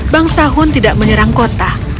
bang sahun tidak menyerang kota